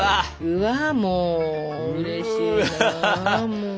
うわもううれしいなもう。